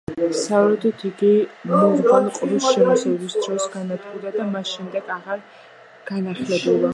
სავარაუდოდ, იგი მურვან ყრუს შემოსევის დროს განადგურდა და მას შემდეგ აღარ განახლებულა.